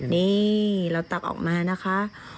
นี่เราตักออกมานะคะ